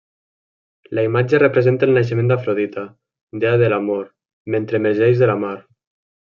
La imatge representa el naixement d'Afrodita, dea de l'amor, mentre emergeix de la mar.